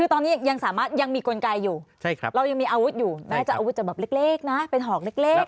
คือตอนนี้ยังสามารถยังมีกลไกอยู่เรายังมีอาวุธอยู่แม้จะอาวุธจะแบบเล็กนะเป็นหอกเล็ก